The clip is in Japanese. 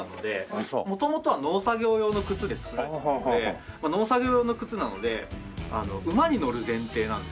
元々は農作業用の靴で作られているので農作業用の靴なので馬に乗る前提なんです。